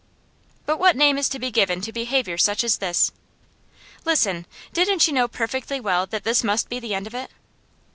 'But what name is to be given to behaviour such as this?' 'Listen: didn't you know perfectly well that this must be the end of it?